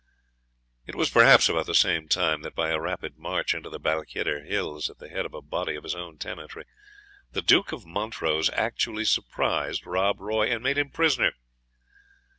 It was perhaps about the same time that, by a rapid march into the Balquhidder hills at the head of a body of his own tenantry, the Duke of Montrose actually surprised Rob Roy, and made him prisoner.